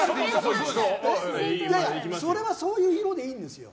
それはそういう色でいいんですよ。